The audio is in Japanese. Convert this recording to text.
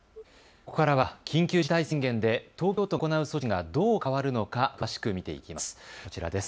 ここからは緊急事態宣言で東京都が行う措置がどう変わるのか詳しく見ていきます。